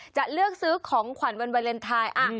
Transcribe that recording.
จะเลือกซื้อของขวัญวันวาเลนไทย